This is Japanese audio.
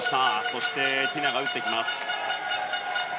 そしてティナが打ってきました。